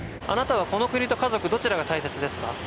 あなたはこの国と家族どちらが大切ですか？